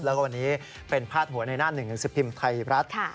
แล้วก็วันนี้เป็นพาดหัวในหน้าหนึ่งหนังสือพิมพ์ไทยรัฐ